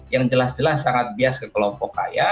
yang jelas jelas sangat bias ke kelompok kaya